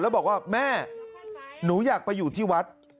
แล้วบอกว่าแม่หนูอยากไปอยู่ที่วัด